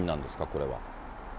これは。